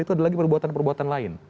itu ada lagi perbuatan perbuatan lain